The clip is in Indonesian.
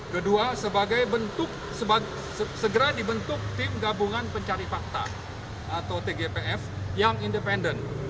kedua segera dibentuk tim gabungan pencari fakta atau tgpf yang independen